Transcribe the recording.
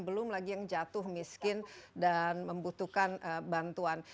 belum lagi yang jatuh miskin dan membutuhkan bantuan